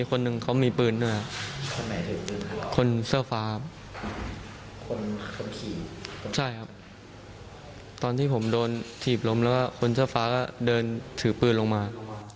คนเชฟฟ้าก็เดินถือปืนลงมา